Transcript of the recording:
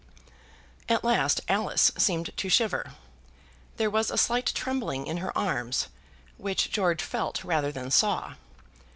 At last Alice seemed to shiver. There was a slight trembling in her arms, which George felt rather than saw.